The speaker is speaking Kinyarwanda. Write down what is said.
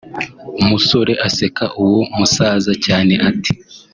umusore aseka uwo musaza cyane ati